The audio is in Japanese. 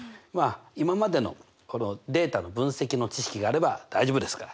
まあ今までのデータの分析の知識があれば大丈夫ですから。